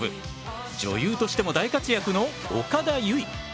女優としても大活躍の岡田結実。